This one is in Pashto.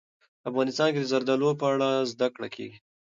افغانستان کې د زردالو په اړه زده کړه کېږي.